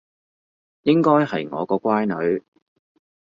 應該係我個乖女